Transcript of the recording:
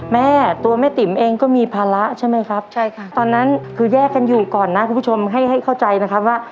แม่ตัวแม่ติ๋มเองก็มีภาระใช่ไหมครับใช่ค่ะตอนนั้นคือแยกกันอยู่ก่อนนะคุณผู้ชมให้ให้เข้าใจนะครับว่า